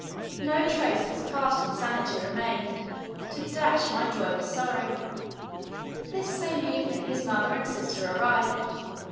No trace of his past insanity remained, to dash my joy with sorrow. This same evening his mother and sister arrived.